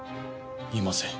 いません。